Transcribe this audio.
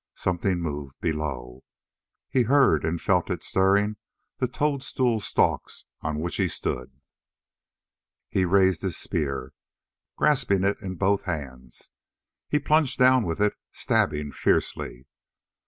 Something moved, below. He heard and felt it stirring the toadstool stalks on which he stood. Burl raised his spear, grasping it in both hands. He plunged down with it, stabbing fiercely.